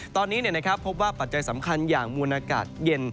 ตอนนี้พบว่าปัจจัยสำคัญอย่างมูลอากาศเย็น